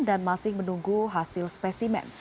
dan masing menunggu hasil spesimen